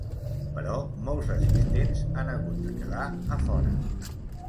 Però molts assistents han hagut de quedar a fora.